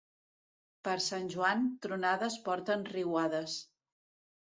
Per Sant Joan, tronades porten riuades.